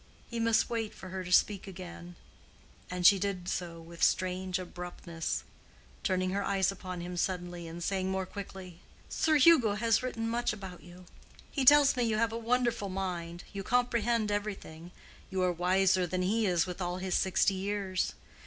He must wait for her to speak again. She did so with strange abruptness, turning her eyes upon him suddenly, and saying more quickly, "Sir Hugo has written much about you. He tells me you have a wonderful mind—you comprehend everything—you are wiser than he is with all his sixty years.